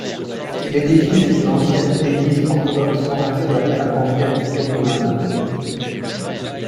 L'édifice est une ancienne église orthodoxe convertie après la conquête ottomane.